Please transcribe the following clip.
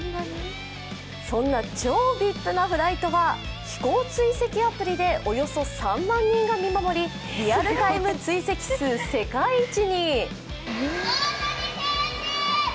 そんな超ＶＩＰなフライトは飛行追跡アプリでおよそ３万人が見守り、リアルタイム追跡数、世界一に。